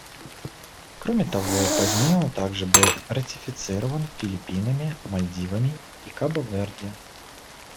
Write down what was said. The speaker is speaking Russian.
Кроме того, позднее он также был ратифицирован Филиппинами, Мальдивами и Кабо-Верде.